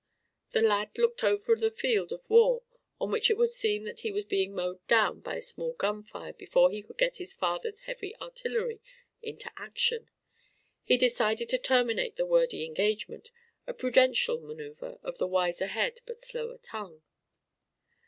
The lad looked over the field of war on which it would seem that he was being mowed down by small gun fire before he could get his father's heavy artillery into action. He decided to terminate the wordy engagement, a prudential manoeuvre of the wiser head but slower tongue.